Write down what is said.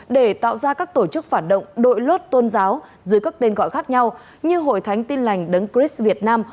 để tạo ra các tổ chức phản động đội lốt tôn giáo dưới các tên gọi khác nhau như hội thánh tin lành đấng cris việt nam